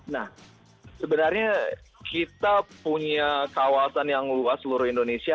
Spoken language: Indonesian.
nah sebenarnya kita punya kawasan yang luas seluruh indonesia